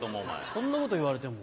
そんなこと言われても。